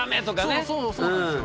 そうそうそうなんですよ。